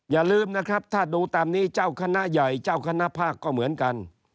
อย่าลืมนะครับถ้าดูตามนี้เจ้าคณะใหญ่เจ้าคณะภาคก็เหมือนกัน